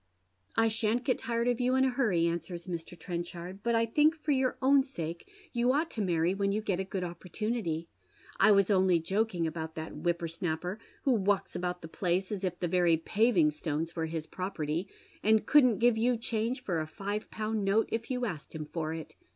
" I shan't get tired of you in a hurry," answers Mr. Trenchard, " but I think for your own sake you ought to marry when you get a good opportunity. I was only joking about that whipper unapper, who walks about the place as if the very paving stones were his property, and couldn't give you change for a five pound note if you asked him for it.